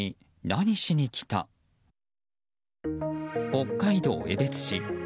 北海道江別市。